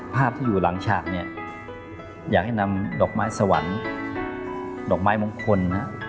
ภาพที่อยู่หลังฉากเนี่ยอยากให้นำดอกไม้สวรรค์ดอกไม้มงคล